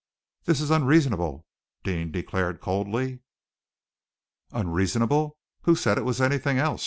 "This is unreasonable," Deane declared coldly. "Unreasonable! Who said it was anything else?"